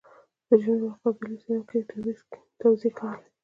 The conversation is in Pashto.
په جنوب او قبایلي سیمو کې توزېع کولې.